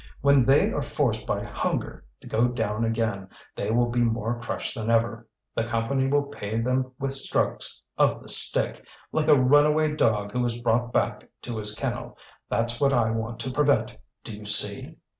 When they are forced by hunger to go down again, they will be more crushed than ever; the Company will pay them with strokes of the stick, like a runaway dog who is brought back to his kennel. That's what I want to prevent, do you see!"